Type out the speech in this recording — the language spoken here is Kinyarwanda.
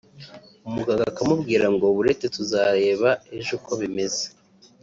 umuganga akamubwira ngo buretse tuzareba ejo uko bimeze